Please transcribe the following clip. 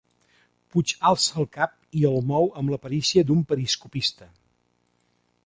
Puig alça el cap i el mou amb la perícia d'un periscopista.